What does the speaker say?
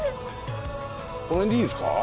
この辺でいいですか？